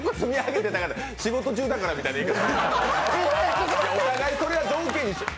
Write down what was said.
「仕事中だから」みたいな言い訳やめて。